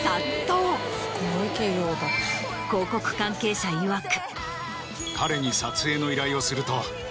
広告関係者いわく。